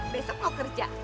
besok mau kerja